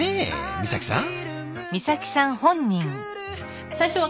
美咲さん？